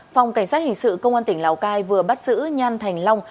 phòng cảnh sát hình sự công an tỉnh lào cai vừa bắt giữ nhan thành long